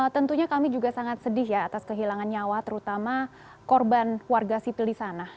tentunya kami juga sangat sedih ya atas kehilangan nyawa terutama korban warga sipil di sana